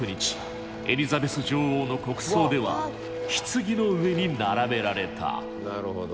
エリザベス女王の国葬では棺の上に並べられた。